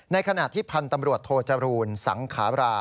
ในขณะที่พันธุ์ตำรวจโทจรูลสังขารา